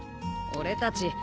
俺たち